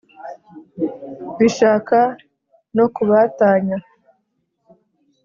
bishaka no kubatanya